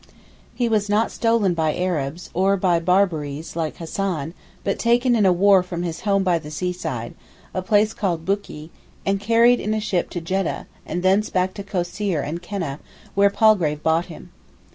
He was not stolen by Arabs, or by Barrabias, like Hassan, but taken in war from his home by the seaside, a place called Bookee, and carried in a ship to Jedda, and thence back to Koseir and Keneh, where Palgrave bought him.